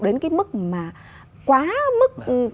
đến cái mức mà quá mức